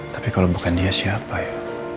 tapi kalau bukan dia siapa ya